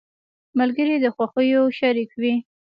ملګري د خوښیو شريک وي.